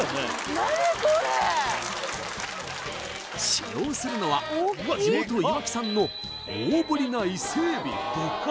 使用するのは地元いわき産の大ぶりな伊勢海老